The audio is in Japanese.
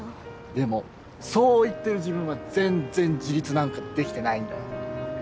でもそう言ってる自分は全然自立なんかできてないんだよ。